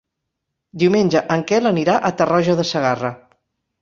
Diumenge en Quel anirà a Tarroja de Segarra.